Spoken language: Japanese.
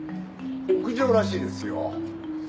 屋上らしいですよ。